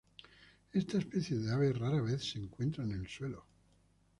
Esta especie de ave rara vez se encuentran en el suelo.